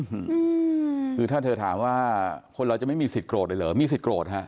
อืมคือถ้าเธอถามว่าคนเราจะไม่มีสิทธิโกรธเลยเหรอมีสิทธิโกรธฮะ